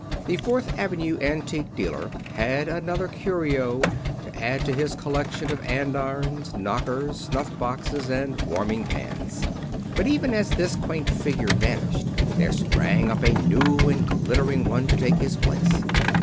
The Fourth Avenue antique dealer had another curio to add to his collection of andirons, knockers, snuff boxes and warming pans. But even as this quaint figure vanished there sprang up a new and glittering one to take his place.